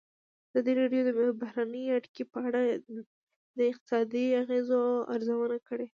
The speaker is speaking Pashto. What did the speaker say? ازادي راډیو د بهرنۍ اړیکې په اړه د اقتصادي اغېزو ارزونه کړې.